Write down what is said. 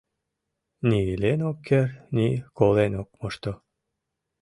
Ни илен ок керт, ни колен ок мошто.